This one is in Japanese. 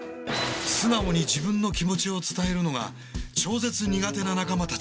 素直に自分の気持ちを伝えるのが超絶苦手な仲間たち。